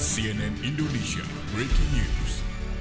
sienan indonesia breaking news